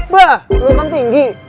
bah lo kan tinggi